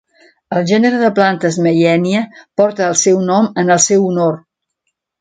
El gènere de plantes "Meyenia" porta el seu nom en el seu honor.